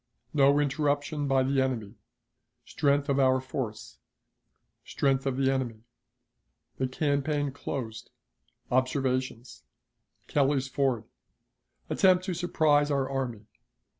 No Interruption by the Enemy. Strength of our Force. Strength of the Enemy. The Campaign closed. Observations. Kelly's Ford. Attempt to surprise our Army.